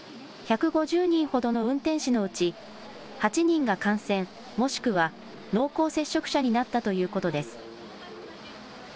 １５０人ほどの運転士のうち８人が感染、もしくは濃厚接触者になったということです。